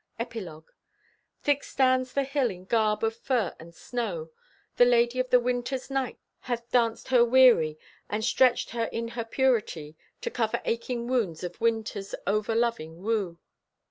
EPILOGUE. Thick stands the hill in garb of fir and snow. The Lady of the Winter's Knight hath danced Her weary, and stretched her in her purity, To cover aching wounds of Winter's overloving woo.